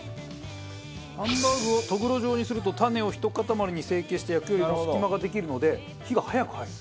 ハンバーグをとぐろ状にするとタネをひと塊に成形して焼くよりも隙間ができるので火が早く入る。